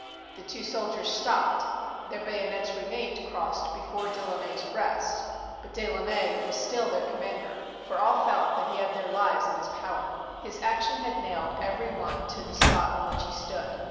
The two soldiers stopped. Their bayonets remained crossed before De Launay's breast, but De Launay was still their commander, for all felt that he had their lives in his power. His action had nailed every one to the spot on which he stood.